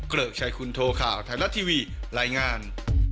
ริกชัยคุณโทข่าวไทยรัฐทีวีรายงาน